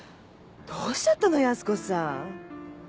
どうしちゃったの泰子さん？